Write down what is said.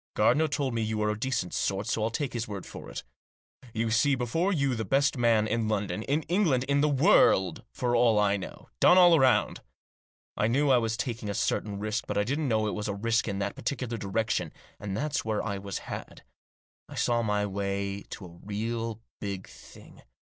Gardiner told me you were a decent sort, so I'll take his word for it. You see before you the best done man in London — in England — in the world, for all I know. Done all round ! I knew I was taking a certain risk, but I didn't know it was a risk in that particular direction, and that's where I was had. I saw my way to a real big thing.